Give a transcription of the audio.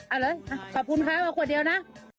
เอาเลยขอบคุณค่ะมาขวดเดียวนะ